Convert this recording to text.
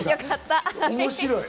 面白い！